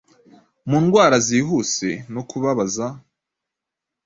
Mu ndwara zihuse no kubabaza,